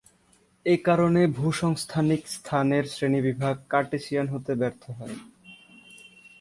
এ কারণে ভূসংস্থানিক স্থানের শ্রেণীবিভাগ কার্টেসিয়ান হতে ব্যর্থ হয়।